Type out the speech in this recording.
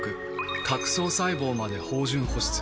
角層細胞まで豊潤保湿。